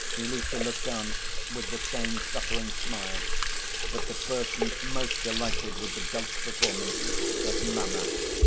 Ilusha looked on with the same suffering smile, but the person most delighted with the dog's performance was "mamma."